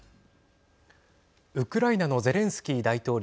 ウクライナのゼレンスキー大統領。